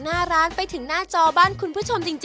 จากหน้าร้านไปถึงหน้าจ่อบ้านคุณผู้ชมจริงเลยค่ะ